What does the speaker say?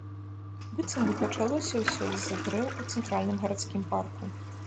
Быццам бы пачалося ўсё з-за дрэў у цэнтральным гарадскім парку.